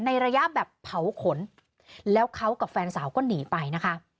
ในระยะแบบเผาขนแล้วเขากับแฟนสาวก็หนีไปนะคะ